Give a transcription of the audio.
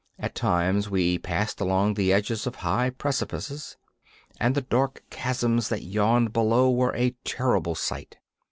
At times we passed along the edges of high precipices, and the dark chasms that yawned below were a terrible sight.